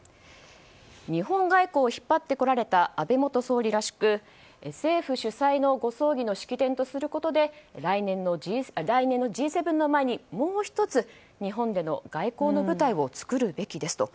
日本外交を引っ張ってこられた安倍元総理らしく政府主催のご葬儀の式典とすることで来年のＧ７の前に、もう１つ日本での外交の舞台を作るべきですと。